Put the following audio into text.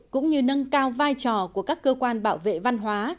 cũng như nâng cao vai trò của các cơ quan bảo vệ văn hóa